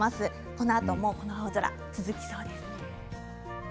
このあともこの青空続きそうです。